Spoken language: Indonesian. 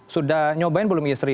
sudah nyobain belum istri